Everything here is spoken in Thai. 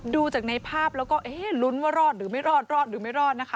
ดูจากในภาพแล้วก็เอ๊ะลุ้นว่ารอดหรือไม่รอดรอดหรือไม่รอดนะคะ